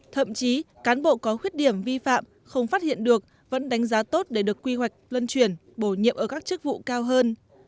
thậm chí cán bộ có khuyết điểm vi phạm không phát hiện được vẫn đánh giá tốt để được quy hoạch lân chuyển bổ nhiệm ở các chức vụ cao hơn